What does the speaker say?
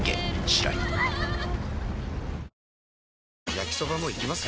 焼きソバもいきます？